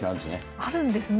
あるんですね。